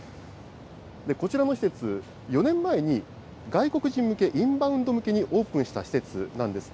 こちらの施設、４年前に外国人向け、インバウンド向けにオープンした施設なんです。